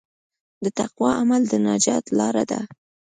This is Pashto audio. د تقوی عمل د نجات لاره ده.